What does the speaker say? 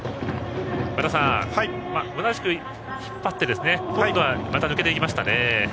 和田さん、同じく引っ張って今度はまた抜けていきましたね。